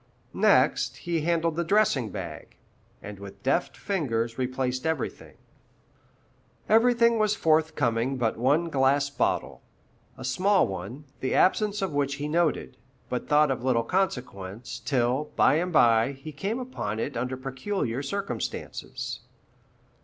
Next, he handled the dressing bag, and with deft fingers replaced everything. Everything was forthcoming but one glass bottle, a small one, the absence of which he noted, but thought of little consequence, till, by and by, he came upon it under peculiar circumstances.